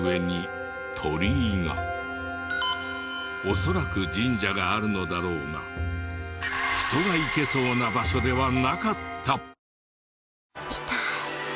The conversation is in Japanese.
恐らく神社があるのだろうが人が行けそうな場所ではなかった。